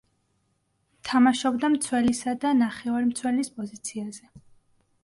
თამაშობდა მცველისა და ნახევარმცველის პოზიციაზე.